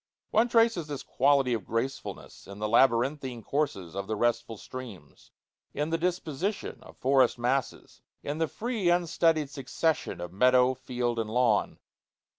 One traces this quality of gracefulness in the labyrinthine courses of the restful streams, in the disposition of forest masses, in the free, unstudied succession of meadow, field, and lawn.